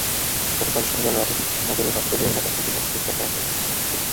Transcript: গতকাল শনিবার রাতে নগরের গাবতলী এলাকা থেকে তাঁকে গ্রেপ্তার করা হয়।